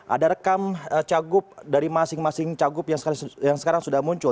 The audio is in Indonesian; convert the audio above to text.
ada rekam cagup dari masing masing cagup yang sekarang sudah muncul